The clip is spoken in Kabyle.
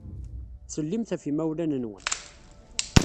Ttsellimet ɣef yimawlan-nwen.